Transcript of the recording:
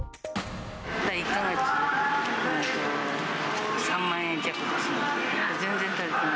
１か月、３万円弱です。